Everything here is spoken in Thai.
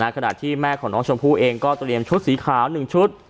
ขณะที่แม่ของน้องชมพู่เองก็เตรียมชุดสีขาว๑ชุด